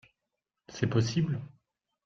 C'est possible ?